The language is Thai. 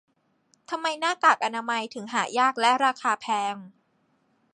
ทำไมหน้ากากอนามัยถึงหายากและราคาแพง